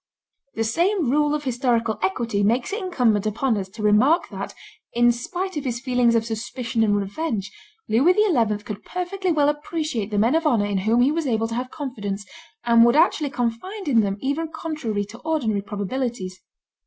The same rule of historical equity makes it incumbent upon us to remark that, in spite of his feelings of suspicion and revenge, Louis XI. could perfectly well appreciate the men of honor in whom he was able to have confidence, and would actually confide in them even contrary to ordinary probabilities.